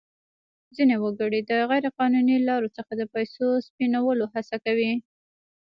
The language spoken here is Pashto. ځینې وګړي د غیر قانوني لارو څخه د پیسو سپینولو هڅه کوي.